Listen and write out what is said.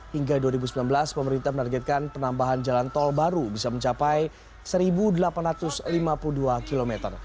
hingga dua ribu sembilan belas pemerintah menargetkan penambahan jalan tol baru bisa mencapai satu delapan ratus lima puluh dua km